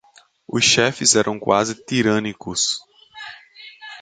Os chefes eram quase tirânicos.